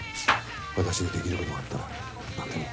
私にできることがあったら何でも。